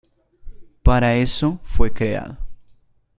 Para eso fue creado.